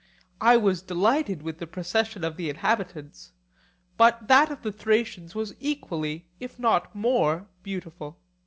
I was delighted with the procession of the inhabitants; but that of the Thracians was equally, if not more, beautiful.